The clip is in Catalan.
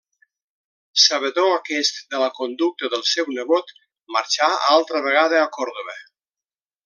Sabedor aquest de la conducta del seu nebot, marxà altra vegada a Còrdova.